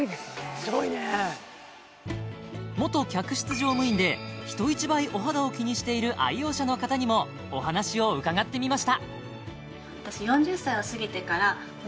すごいね元客室乗務員で人一倍お肌を気にしている愛用者の方にもお話を伺ってみました